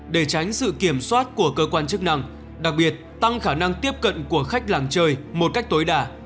để tránh sự kiểm soát của cơ quan chức năng đặc biệt tăng khả năng tiếp cận của khách làm chơi một cách tối đa